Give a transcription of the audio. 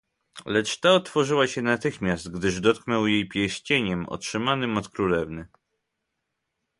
"Lecz ta otworzyła się natychmiast, gdyż dotknął jej pierścieniem, otrzymanym od królewny."